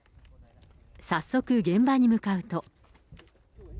早速、現場に向かうと。